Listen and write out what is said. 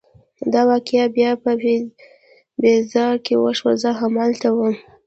دا واقعه بیا په بیزر کې وشوه، زه همالته وم.